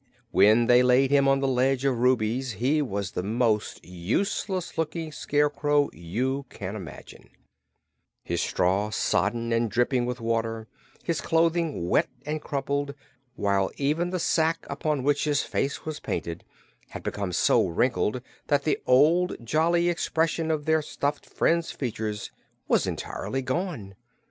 When they laid him on the ledge of rubies he was the most useless looking Scarecrow you can imagine his straw sodden and dripping with water, his clothing wet and crumpled, while even the sack upon which his face was painted had become so wrinkled that the old jolly expression of their stuffed friend's features was entirely gone.